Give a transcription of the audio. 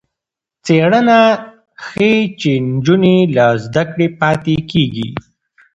څېړنه ښيي چې نجونې له زده کړې پاتې کېږي.